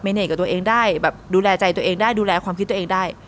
เน่กับตัวเองได้แบบดูแลใจตัวเองได้ดูแลความคิดตัวเองได้